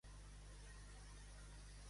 Quin fill van tenir Megareu i Mèrope?